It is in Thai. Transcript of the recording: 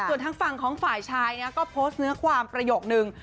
ส่วนทางฝั่งของฝ่ายชายก็โพสต์เนื้อความประโยคนึง